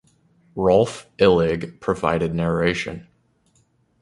Rolf Illig provided narration.